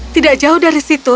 tidak jauh dari situ